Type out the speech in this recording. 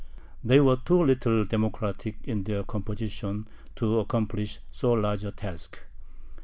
They were too little democratic in their composition to accomplish so large a task.